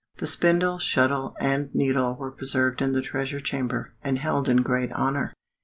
The spindle, shuttle, and needle were preserved in the treasure chamber, and held in great honour.